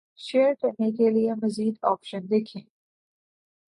share کرنے کے لیے مزید آپشن دیکھ„یں